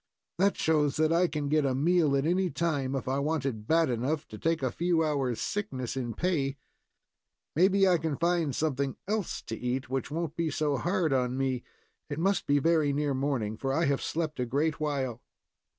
"That shows that I can get a meal at any time, if I want it bad enough to take a few hours' sickness in pay. Maybe I can find something else to eat which won't be so hard on me. It must be very near morning, for I have slept a great while."